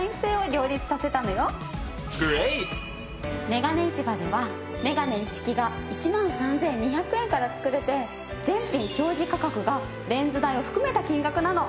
眼鏡市場ではメガネ一式が１万３２００円から作れて全品表示価格がレンズ代を含めた金額なの。